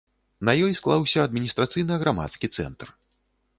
На ёй склаўся адміністрацыйна-грамадскі цэнтр.